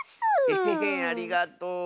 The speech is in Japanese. エヘヘありがとう。